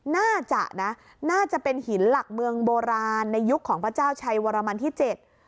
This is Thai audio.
น่าจะนะน่าจะเป็นหินหลักเมืองโบราณในยุคของพระเจ้าชัยวรมันที่เจ็ด